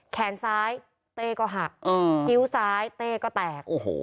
แขนซ้ายเต้ก็หักคิ้วซ้ายเต้ก็แตก